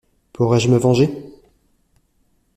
Pourrais-je me venger?